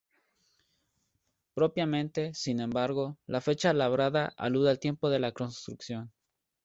Propiamente, sin embargo, la fecha labrada alude al tiempo de la construcción.